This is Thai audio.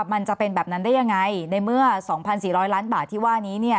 มันจะเป็นแบบนั้นได้ยังไงในเมื่อ๒๔๐๐ล้านบาทที่ว่านี้เนี่ย